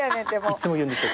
いつも言うんですよ